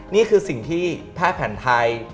นี่คือสิ่งที่แพทย์แผนไทย